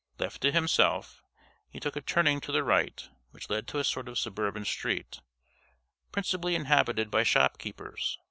Left to himself, he took a turning to the right, which led to a sort of suburban street, principally inhabited by shopkeepers.